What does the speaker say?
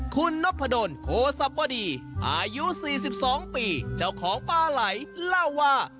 คุณนพดลโคสับวดีอายุ๔๒ปีเจ้าของปลาไหลเล่าว่า